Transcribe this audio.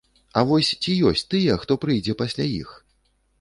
А вось ці ёсць тыя, хто прыйдзе пасля іх?